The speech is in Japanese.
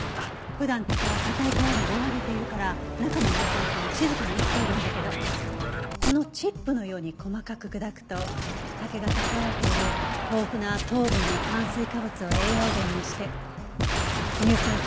普段竹は硬い皮に覆われているから中の乳酸菌は静かに生きているんだけどこのチップのように細かく砕くと竹が蓄えている豊富な糖分や炭水化物を栄養源にして乳酸菌は活発に活動するようになるの。